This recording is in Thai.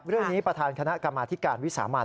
เรื่องนี้ประธานคณะกรรมอธิการวิสามัญ